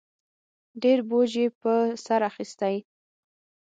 ډېر بوج یې په سر اخیستی